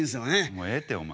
もうええってお前。